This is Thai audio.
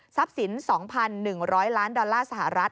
ทรัพย์สิน๒๑๐๐ล้านดอลลาร์สหรัฐ